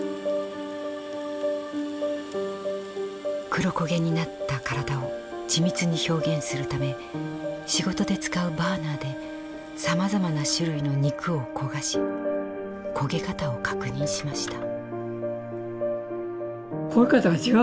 黒焦げになった体を緻密に表現するため仕事で使うバーナーでさまざまな種類の肉を焦がし焦げ方を確認しました。